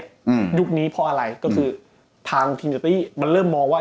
อืมยุคนี้เพราะอะไรก็คือทางทีมโยตี้มันเริ่มมองว่า